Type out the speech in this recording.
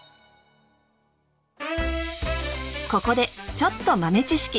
ここでちょっと豆知識。